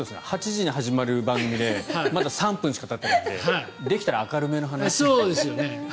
８時で始まる番組でまだ３分しかたっていないのでできたら明るめの話で。